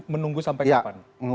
menunggu sampai kapan